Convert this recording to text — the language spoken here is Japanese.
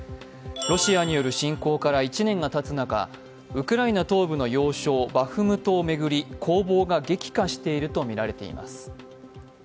ロシアによる侵攻から１年がたつ中ウクライナ東部の要衝バフムトを巡り、攻防が激化しているとみられています。